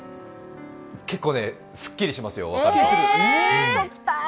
結構ね、すっきりしますよ。